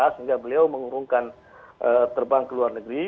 sehingga beliau mengurungkan terbang ke luar negeri